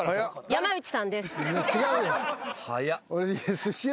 山内さんです。